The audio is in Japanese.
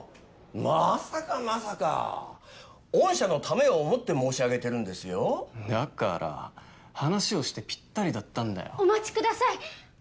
まさかまさか御社のためを思って申し上げてるんですよだから話をしてピッタリだったんだよお待ちください